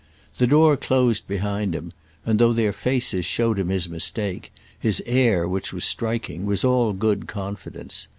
The door closed behind him, and, though their faces showed him his mistake, his air, which was striking, was all good confidence.